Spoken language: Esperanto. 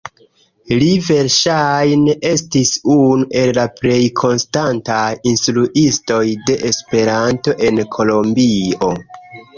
Li verŝajne estis unu el la plej konstantaj instruistoj de Esperanto en Kolombio.